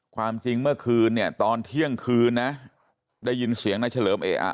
ความจริงเมื่อคืนเนี่ยตอนเที่ยงคืนนะได้ยินเสียงนายเฉลิมเออะ